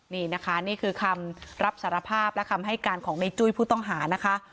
นี่นะคะนี่คือคำรับสารภาพและคำให้การของในจุ้ยผู้ต้องหานะคะ